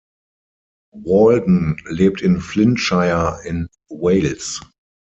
Walden lebt in Flintshire in Wales.